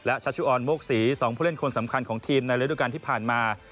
และตัวลูกชนสองผู้เล่นคนสำคัญของทีมในระดวยกันที่ผ่านมา